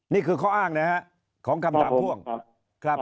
นี่คือข้ออ้างนะครับของคำถามพ่วงครับ